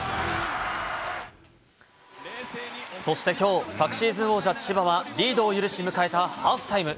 そしてきょう、昨シーズン王者、千葉は、リードを許し迎えたハーフタイム。